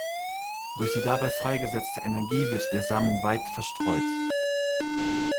Durch die dabei freigesetzte Energie wird der Samen weit verstreut.